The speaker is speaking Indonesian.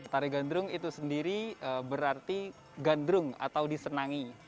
tari ganrum itu sendiri berarti ganrum atau disenangi